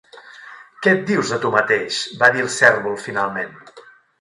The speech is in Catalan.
"Què et dius a tu mateix?", va dir el cérvol finalment.